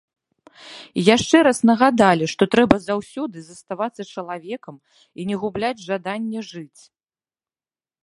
І яшчэ раз нагадалі, што трэба заўсёды заставацца чалавекам і не губляць жаданне жыць.